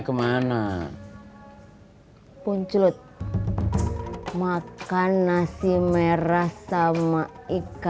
berani aku ziemlich sakit